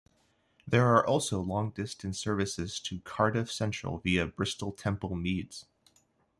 There are also long-distance services to Cardiff Central via Bristol Temple Meads.